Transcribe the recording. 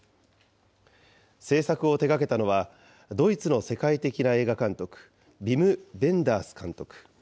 製作を手がけたのは、ドイツの世界的な映画監督、ヴィム・ヴェンダース監督。